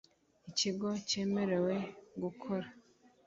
ikigo cyemerewe gukora.